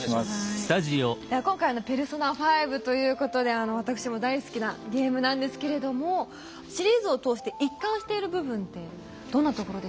今回「ペルソナ５」ということであの私も大好きなゲームなんですけれどもシリーズを通して一貫している部分ってどんなところでしょうか？